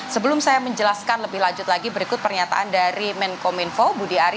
sebelum saya menjelaskan lebih lanjut lagi berikut pernyataan dari menkom info budi ari